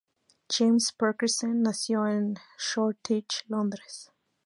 James Parkinson nació en Shoreditch, Londres.